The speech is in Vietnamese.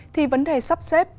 thì vấn đề sắp xếp